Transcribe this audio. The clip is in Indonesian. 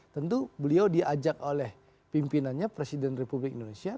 tentu beliau diajak oleh pimpinannya presiden republik indonesia